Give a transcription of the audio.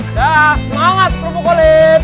udah semangat rumpuk kulit